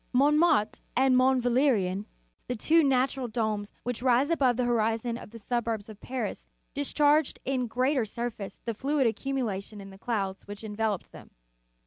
Mont martre and Mont Valerien, the two natural domes which rise above the horizon of the suburbs of Paris, discharged in greater sur face the fluid accumulated in the clouds which enveloped them.